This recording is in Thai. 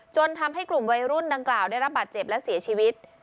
ทำให้กลุ่มวัยรุ่นดังกล่าวได้รับบาดเจ็บและเสียชีวิต